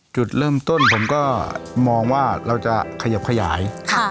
จุดเริ่มต้นผมก็มองว่าเราจะขยับขยาย